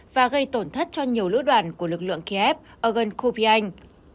và gây tổn thất cho nhiều lữ đoàn của lực lượng kyiv ở gần kupyansk